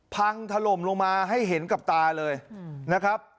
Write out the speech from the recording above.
พังถล่มลงมาให้เห็นกับตาเลยนะครับ